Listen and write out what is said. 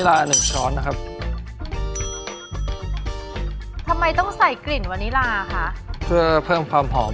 เราก็จะใส่ประมาณสัก๒๓ช็อต